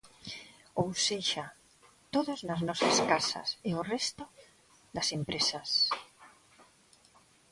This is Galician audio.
Ou sexa, todos nas nosas casas e o resto das empresas.